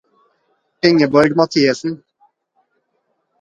Ingeborg Mathiesen